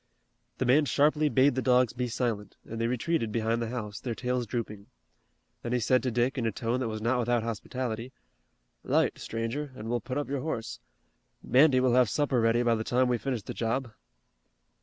The man sharply bade the dogs be silent and they retreated behind the house, their tails drooping. Then he said to Dick in a tone that was not without hospitality: "'Light, stranger, an' we'll put up your horse. Mandy will have supper ready by the time we finish the job."